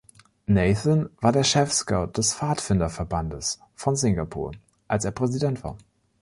Nathan war der Chefscout des Pfadfinderverbandes von Singapur, als er Präsident war.